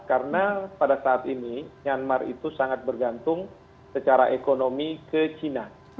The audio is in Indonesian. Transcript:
karena pada saat ini myanmar itu sangat bergantung secara ekonomi ke china